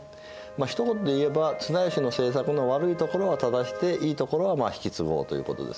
ひと言で言えば綱吉の政策の悪いところは正していいところは引き継ごうということですね。